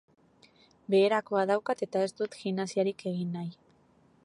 Beherakoa daukat eta ez dut gimnasiarik egin nahi.